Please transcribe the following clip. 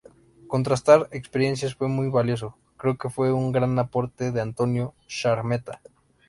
Contrastar experiencias fue muy valioso… Creo que fue un gran aporte de Antonio Skármeta.